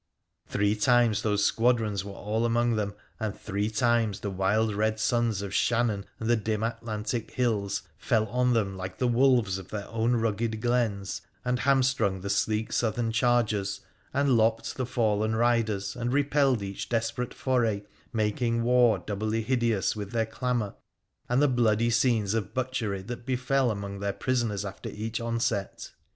Three times those squadrons were all among them, and three times the wild red sons of Shannon and the dim Atlantic hills fell ou them like the wolves of their own rugged glens, and hamstrung the sleek Southern chargers, and lopped the fallen riders, and repelled each desperate foray, making war doubly hideous with their clamour and the bloody scenes of butchery that befell among their prisoners after each onset.